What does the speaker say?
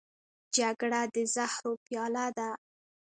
جګړه د زهرو پیاله ده